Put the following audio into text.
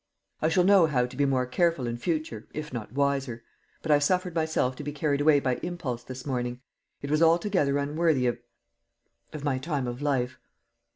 "I shall know how to be more careful in future, if not wiser; but I suffered myself to be carried away by impulse this morning. It was altogether unworthy of of my time of life."